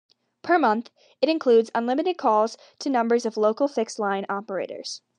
Per month, it includes unlimited calls to numbers of local fixed-line operators.